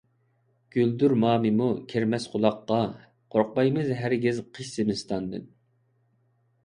گۈلدۈرمامىمۇ كىرمەس قۇلاققا، قورقمايمىز ھەرگىز قىش - زىمىستاندىن.